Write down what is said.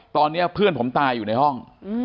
ตอนนี้เพื่อนผมตายอยู่ในห้อง